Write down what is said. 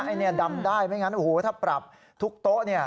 อันนี้ดำได้ไม่งั้นโอ้โหถ้าปรับทุกโต๊ะเนี่ย